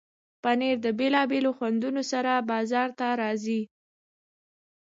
پنېر د بیلابیلو خوندونو سره بازار ته راځي.